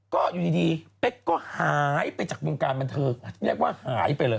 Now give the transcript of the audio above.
ก็อยู่ดีเป๊กก็หายไปจากวงการบันเทิงเรียกว่าหายไปเลย